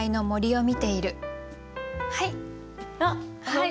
はい！